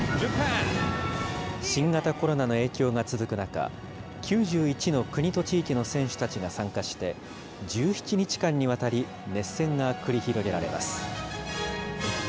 新型コロナの影響が続く中、９１の国と地域の選手たちが参加して、１７日間にわたり熱戦が繰り広げられます。